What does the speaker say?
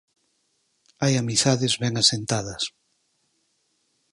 Hai amizades ben asentadas.